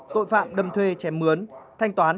tội phạm đâm thuê chém mướn thanh toán